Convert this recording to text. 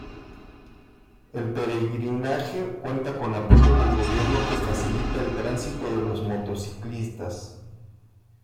El peregrinaje cuenta con apoyo del gobierno que facilita el tránsito de los motociclistas.